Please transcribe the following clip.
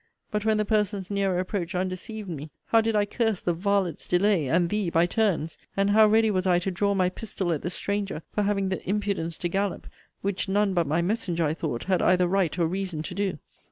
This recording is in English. But when the person's nearer approach undeceived me, how did I curse the varlet's delay, and thee, by turns! And how ready was I to draw my pistol at the stranger, for having the impudence to gallop; which none but my messenger, I thought, had either right or reason to do!